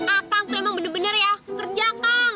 akang itu emang bener bener ya kerja kang